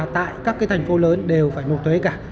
tại các cái thành phố lớn đều phải nộp thuế cả